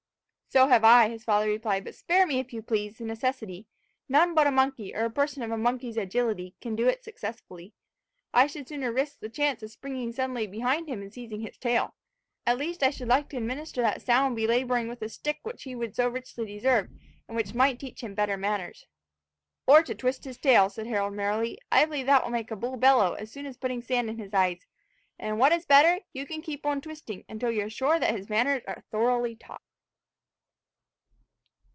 "So have I," his father added, "but spare me if you please, the necessity; none but a monkey, or a person of a monkey's agility can do it successfully. I should sooner risk the chance of springing suddenly behind him, and seizing his tail. At least I should like to administer that sound belabouring with a stick which he would so richly deserve, and which might teach him better manners." "Or to twist his tail," said Harold merrily. "I believe that will make a bull bellow, as soon as putting sand into his eyes. And what is better, you can keep on twisting, until you are sure than his manners are thoroughly taught."